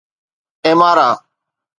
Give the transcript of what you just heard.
ايمارا